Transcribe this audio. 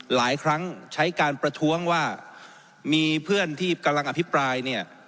หลายครั้งใช้การประท้วงว่ามีเพื่อนที่กำลังอภิปรายเนี่ย